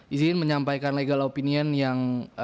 di sini menyampaikan legal opinion yang